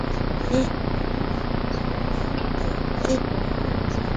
এর বদলে আমার জেলে থাকাই ভালো ছিল।